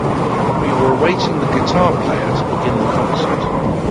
We were awaiting the guitar player to begin the concert.